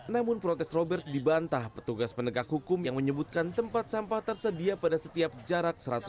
namun protes robert dibantah petugas penegak hukum yang menyebutkan tempat sampah tersedia pada setiap jarak seratus meter